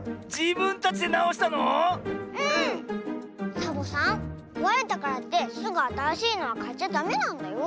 サボさんこわれたからってすぐあたらしいのはかっちゃダメなんだよ。